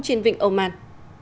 trên vịnh âu màn